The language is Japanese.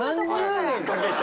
３０年かけて！？